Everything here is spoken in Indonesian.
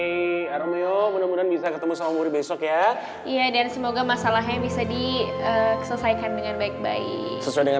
besok ya iya dan semoga masalahnya bisa di selesaikan dengan baik baik sesuai dengan